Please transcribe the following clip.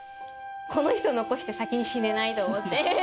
この人の残して先に死ねないと思って。